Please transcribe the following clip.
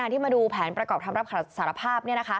ที่มาดูแผนประกอบคำรับสารภาพ